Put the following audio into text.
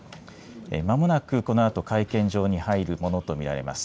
まもなくこのあと会見場に入るものと見られます。